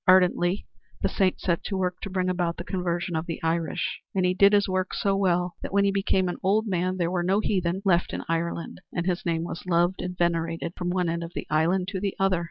Ardently the Saint set to work to bring about the conversion of the Irish, and he did his work so well that when he became an old man there were no heathen left in Ireland, and his name was loved and venerated from one end of the island to the other.